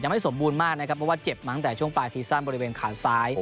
ยังไม่ได้สมบูรณ์มากไม่ว่าเจ็บตั้งแต่ช่วงปลาทีซั่นบริเวณขาซ้าย